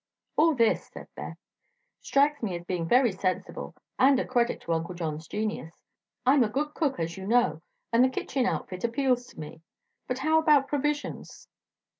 "All this," said Beth, "strikes me as being very sensible and a credit to Uncle John's genius. I'm a good cook, as you know, and the kitchen outfit appeals to me. But how about provisions?"